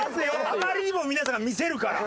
あまりにも皆さんが見せるから。